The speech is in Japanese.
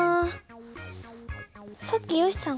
さっきよしさん